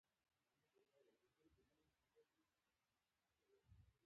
ایټوره د خدای په امان.